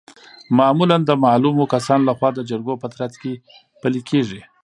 معمولا د معلومو کسانو لخوا د جرګو په ترڅ کې پلي کیږي.